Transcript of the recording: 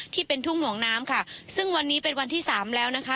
ที่เป็นทุ่งหลวงน้ำค่ะซึ่งวันนี้เป็นวันที่สามแล้วนะคะ